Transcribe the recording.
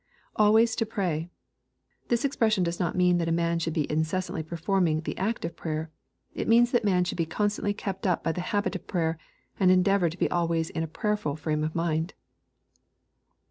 [Always to pray.] This expression does not mean that a man should be incessantly performing the act of prayer. It means that a man should constantly keep up the habit of prayer, and endeavor to be always in a prayerfiil frame of mind.